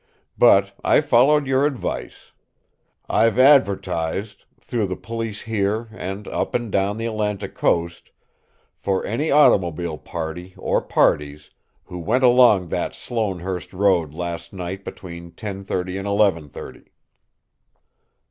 But I followed your advice. I've advertised, through the police here and up and down the Atlantic coast, for any automobile party or parties who went along that Sloanehurst road last night between ten thirty and eleven thirty."